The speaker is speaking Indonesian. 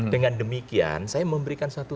dengan demikian saya memberikan satu